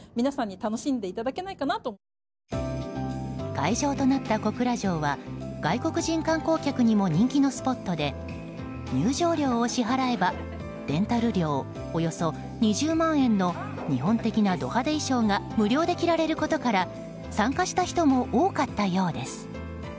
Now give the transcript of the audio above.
会場となった小倉城は外国人観光客にも人気のスポットで入場料を支払えばレンタル料およそ２０万円の日本的なド派手衣装が無料で着られることから参加した人も多かったようです。